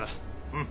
うん。